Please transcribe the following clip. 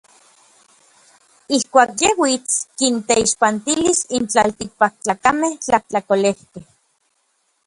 Ijkuak yej uits, kinteixpantilis n tlaltikpaktlakamej tlajtlakolejkej.